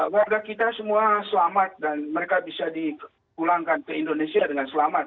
warga kita semua selamat dan mereka bisa dipulangkan ke indonesia dengan selamat